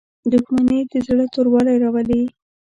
• دښمني د زړه توروالی راولي.